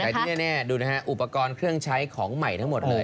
แต่ที่แน่ดูนะฮะอุปกรณ์เครื่องใช้ของใหม่ทั้งหมดเลย